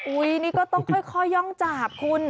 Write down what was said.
นี่ก็ต้องค่อยย่องจาบคุณ